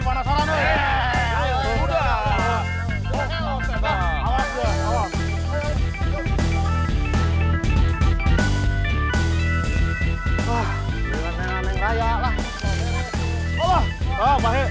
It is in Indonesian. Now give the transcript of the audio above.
anak punya abah